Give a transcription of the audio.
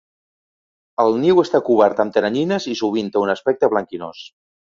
El niu està cobert amb teranyines i sovint té un aspecte blanquinós.